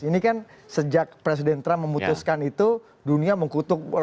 ini kan sejak presiden trump memutuskan itu